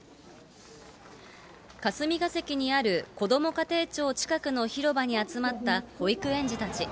霞が関にあるこども家庭庁近くの広場に集まった保育園児たち。